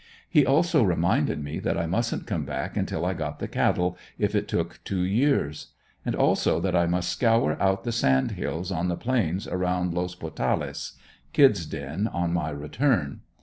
He also reminded me that I mustn't come back until I got the cattle, if it took two years; and also that I must scour out the Sand hills on the Plains around Las Potales, "Kid's" den, on my return.